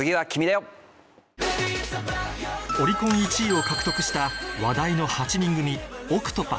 オリコン１位を獲得した話題の